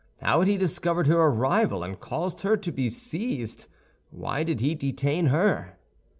How had he discovered her arrival, and caused her to be seized? Why did he detain her?